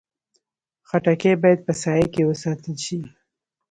خټکی باید په سایه کې وساتل شي.